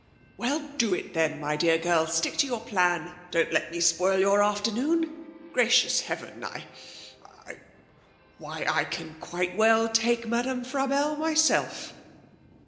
'Well, do it, then, my dear girl! Stick to your plan. Don't let me spoil your afternoon! Gracious heaven! I I why, I can quite well take Madame Frabelle myself.'